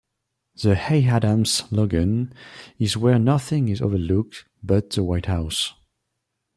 The Hay-Adams' slogan is Where nothing is overlooked but the White House.